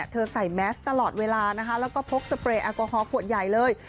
ใส่แมสตลอดเวลานะคะแล้วก็พกสเปรย์แอลกอฮอลขวดใหญ่เลย